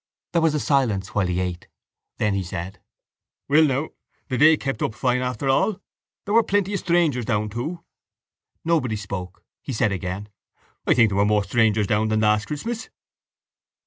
There was a silence while he ate. Then he said: —Well now, the day kept up fine after all. There were plenty of strangers down too. Nobody spoke. He said again: —I think there were more strangers down than last Christmas.